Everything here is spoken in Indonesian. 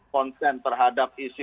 konsen terhadap isi